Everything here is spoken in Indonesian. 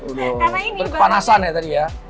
karena ini terkepanasan ya tadi ya